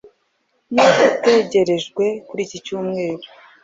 yo itegerejwe kuri iki Cyumweru.